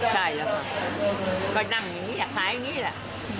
ใช่แล้วค่ะก็นั่งอย่างนี้ขายอย่างนี้แหละ